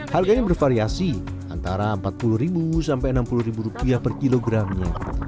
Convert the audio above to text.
harganya bervariasi antara rp empat puluh sampai rp enam puluh per kilogramnya